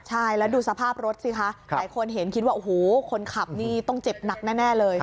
ใช่แล้วดูสภาพรถสิคะหลายคนเห็นคิดว่าโอ้โหคนขับนี่ต้องเจ็บหนักแน่เลย